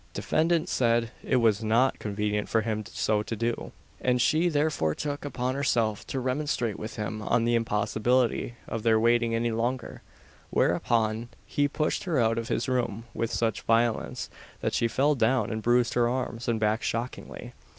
Defendant said it was not convenient for him so to do, and she therefore took upon herself to remonstrate with him on the impossibility of their waiting any longer; whereupon he pushed her out of his room with such violence, that she fell down and bruised her arms and back shockingly.